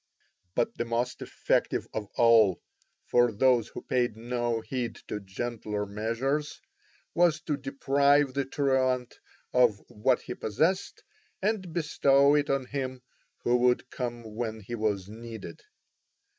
But the most effective of all, for those who paid no heed to gentler measures, was to deprive the truant of what he possessed and bestow it on him who would come when he was needed.